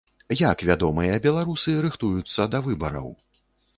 Як вядомыя беларусы рыхтуюцца да выбараў?